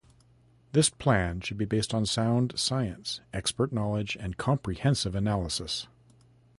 This plan should be based on sound science, expert knowledge, and comprehensive analysis.